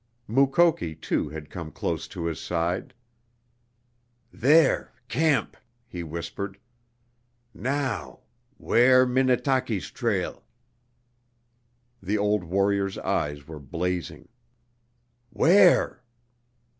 Mukoki, too, had come close to his side. "There camp!" he whispered. "Now where Minnetaki's trail?" The old warrior's eyes were blazing. "Where?"